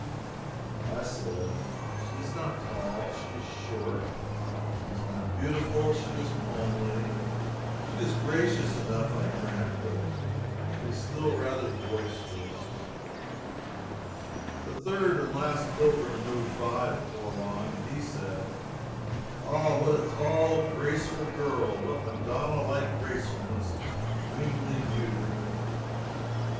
I said: "She is not tall, she is short; she is not beautiful, she is homely; she is graceful enough, I grant, but she is rather boisterous." The third and last pilgrim moved by, before long, and he said: "Ah, what a tall, graceful girl! what Madonna like gracefulness of queenly beauty!"